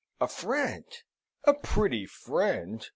"A friend! A pretty friend!"